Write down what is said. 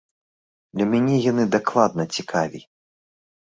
Для мяне яны дакладна цікавей.